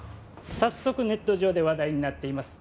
早速ネット上で話題になっています